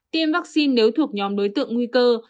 tiêm vaccine nếu thuộc nhóm đối tượng nguy cơ